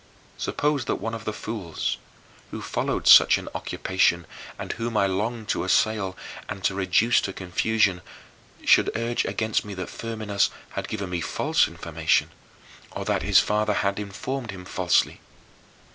Suppose that one of the fools who followed such an occupation and whom I longed to assail, and to reduce to confusion should urge against me that Firminus had given me false information, or that his father had informed him falsely.